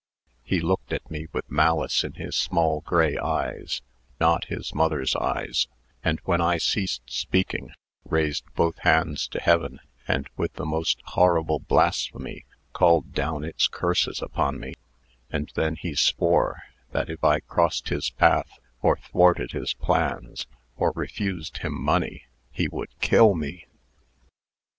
He looked at me with malice in his small gray eyes (not his mother's eyes), and, when I ceased speaking, raised both hands to heaven, and, with the most horrible blasphemy, called down its curses upon me; and then he swore, that if I crossed his path, or thwarted his plans, or refused him money, he would kill me.